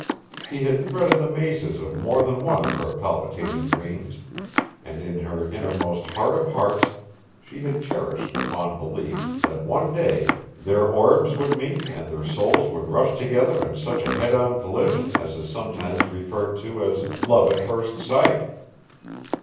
He had threaded the mazes of more than one of her palpitating dreams, and in her innermost heart of hearts she had cherished the fond belief that one day their orbs would meet and their souls would rush together in such a head on collision as is sometimes referred to as love at first sight.